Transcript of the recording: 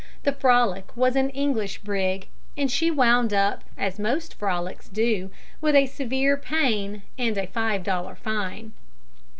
The Frolic was an English brig, and she wound up as most frolics do, with a severe pain and a five dollar fine.